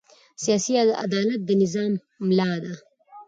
سیاسي عدالت د نظام ملا ده